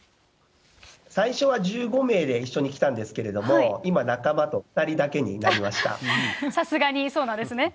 最初は１５名で一緒に来たんですけれども、今、仲間と２人ださすがに、そうなんですね。